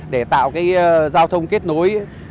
để tạo giao thông kết nối